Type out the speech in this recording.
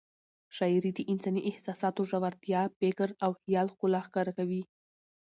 شاعري د انساني احساساتو ژورتیا، فکر او خیال ښکلا ښکاره کوي.